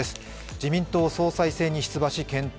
自民党総裁選に出馬し健闘。